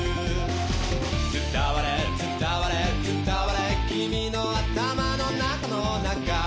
「伝われ伝われ伝われ君の頭の中の中」